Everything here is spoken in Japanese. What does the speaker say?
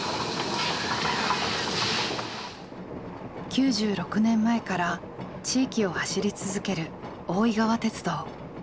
９６年前から地域を走り続ける大井川鉄道。